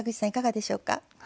いかがでしょうか？